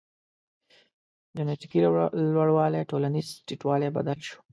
جنټیکي لوړوالی ټولنیز ټیټوالی بدل شو.